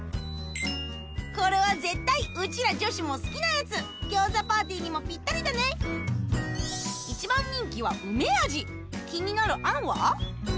これは絶対うちら女子も好きなやつ餃子パーティーにもピッタリだね気になる餡は？